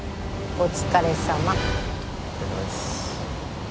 お疲れさまです。